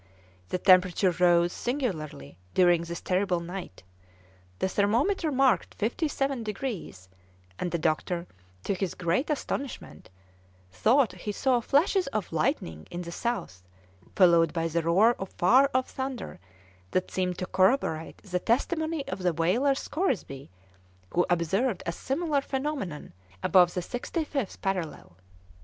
The temperature rose singularly during this terrible night; the thermometer marked fifty seven degrees, and the doctor, to his great astonishment, thought he saw flashes of lightning in the south, followed by the roar of far off thunder that seemed to corroborate the testimony of the whaler Scoresby, who observed a similar phenomenon above the sixty fifth parallel.